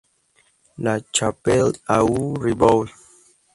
La Chapelle-au-Riboul